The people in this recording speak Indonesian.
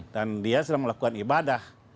dan dia sedang melakukan ibadah